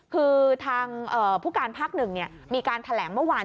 คือทางผู้การภาค๑มีการแถลงเมื่อวาน